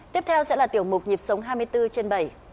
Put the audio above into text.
tiếp theo sẽ là tiểu mục nhịp sống hai mươi bốn trên bảy